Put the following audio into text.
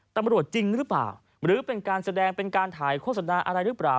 ตำรวจจริงหรือเปล่าหรือเป็นการแสดงเป็นการถ่ายโฆษณาอะไรหรือเปล่า